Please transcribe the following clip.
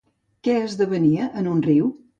Què esdevenia en un riu?